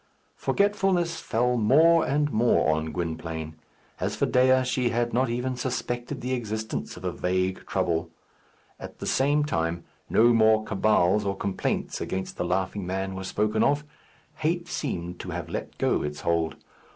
Forgetfulness fell more and more on Gwynplaine. As for Dea, she had not even suspected the existence of a vague trouble. At the same time, no more cabals or complaints against the Laughing Man were spoken of. Hate seemed to have let go its hold.